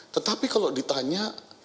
tetapi kalau ditanya